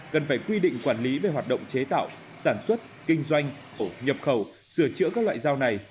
cần phải quy định quản lý về hoạt động chế tạo sản xuất kinh doanh nhập khẩu sửa chữa các loại dao này